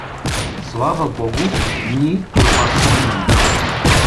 Слава богу, ний торба си имаме.